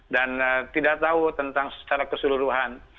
dan tidak tahu tentang secara keseluruhan